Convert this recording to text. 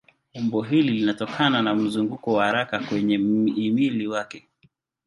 Umbo hili linatokana na mzunguko wa haraka kwenye mhimili wake.